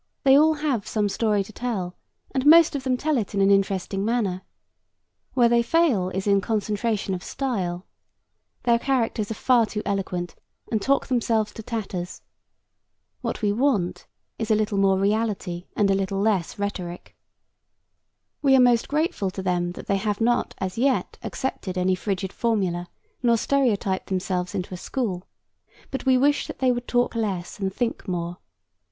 They have all some story to tell, and most of them tell it in an interesting manner. Where they fail is in concentration of style. Their characters are far too eloquent and talk themselves to tatters. What we want is a little more reality and a little less rhetoric. We are most grateful to them that they have not as yet accepted any frigid formula, nor stereotyped themselves into a school, but we wish that they would talk less and think more.